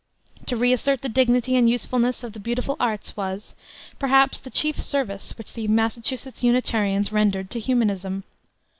To re assert the dignity and usefulness of the beautiful arts was, perhaps, the chief service which the Massachusetts Unitarians rendered to humanism.